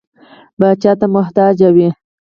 پاچا ته محتاج وي.